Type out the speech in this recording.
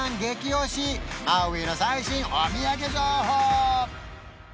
オシマウイの最新お土産情報！